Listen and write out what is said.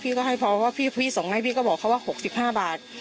พี่ก็ให้พอว่าพี่พี่ส่งให้พี่ก็บอกเขาว่าหกสิบห้าบาท